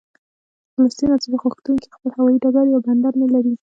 د فلسطین ازادي غوښتونکي خپل هوايي ډګر یا بندر نه لري.